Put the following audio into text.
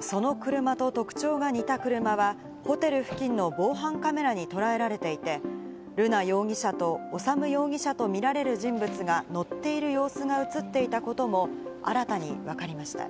その車と特徴が似た車はホテル付近の防犯カメラに捉えられていて、瑠奈容疑者と修容疑者と見られる人物が乗っている様子が映っていたことも新たにわかりました。